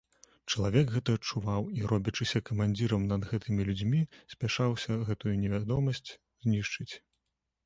Чалавек гэта адчуваў і, робячыся камандзірам над гэтымі людзьмі, спяшаўся гэтую невядомасць знішчыць.